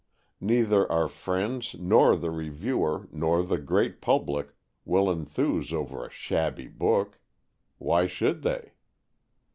Neither our friends, nor the reviewer, nor the great public, will enthuse over a shabby book. Why should they?